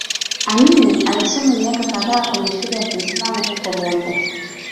Amin alisoma miaka kadhaa kwenye shule ya Kiislamu huko Bombo